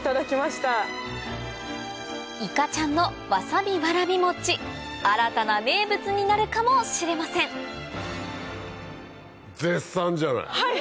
いかちゃんのわさびわらび餅新たな名物になるかもしれません絶賛じゃない！